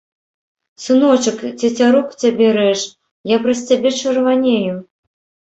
Сыночак, цецярук цябе рэж, я праз цябе чырванею.